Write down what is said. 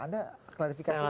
anda klarifikasi apa